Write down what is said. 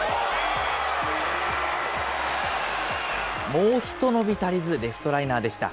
もう一伸び足りず、レフトライナーでした。